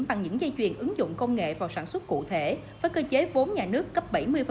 bằng những dây chuyền ứng dụng công nghệ vào sản xuất cụ thể với cơ chế vốn nhà nước cấp bảy mươi